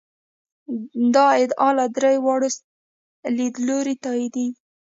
دا ادعا له درې واړو لیدلورو تاییدېږي.